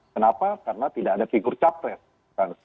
kenapa karena tidak ada figur capres